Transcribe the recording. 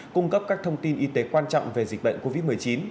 cung cấp các thông tin y tế quan trọng về dịch bệnh covid một mươi chín